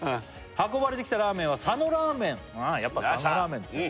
「運ばれてきたラーメンは佐野ラーメン」ああやっぱ佐野ラーメンですね